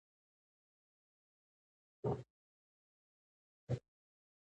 باید دا ځای نور هم لوړ کړو.